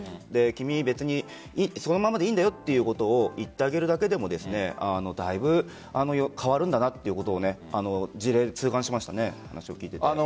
君、別にそのままでいいんだよということを言ってあげるだけでもだいぶ変わるんだなということを痛感しました。